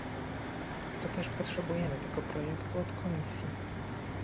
Toteż potrzebujemy tego projektu od Komisji